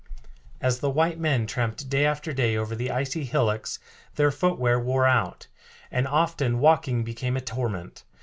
As the white men tramped day after day over the icy hillocks their footwear wore out, and often walking became a torment.